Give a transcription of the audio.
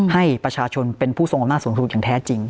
ให้ประชาชนเป็นผู้ทรงอำนาจสูงสุดอย่างแท้จริง